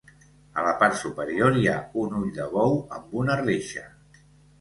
A la part superior hi ha un ull de bou amb una reixa.